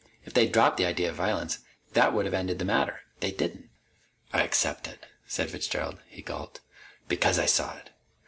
If they'd dropped the idea of violence, that would have ended the matter. They didn't." "I accept it," said Fitzgerald. He gulped. "Because I saw it.